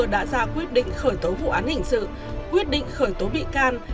đã ra quyết định khởi tố vụ án hình sự quyết định khởi tố bị can